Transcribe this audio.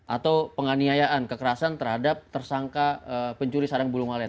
atau penganiayaan kekerasan terhadap tersangka pencuri sarang bulu ngolet